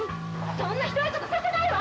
そんなひどいことさせないわ！